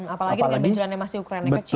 apalagi benjolannya masih ukurannya kecil ya